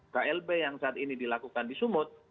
klb yang saat ini dilakukan di sumut